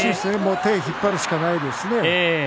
腕を引っ張るしかないです